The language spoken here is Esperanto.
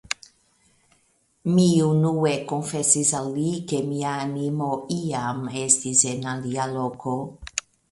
Mi unue konfesis al li, ke mia animo iam estis en alia loko.